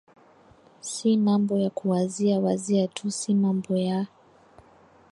si mambo ya kuwazia wazia tu si mambo ya